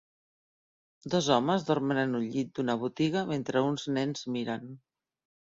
Dos homes dormen en un llit d'una botiga mentre uns nens miren.